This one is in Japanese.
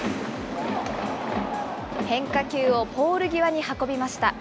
変化球をポール際に運びました。